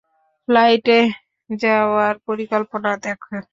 ফ্লাইটে যাওয়ার পরিকল্পনা দেখ।